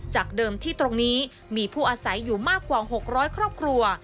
จากเดิมที่ตรงนี้มีผู้อาศัยอยู่มากกว่า๖๐๐ครอบครัว